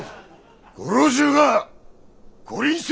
ご老中がご臨席される。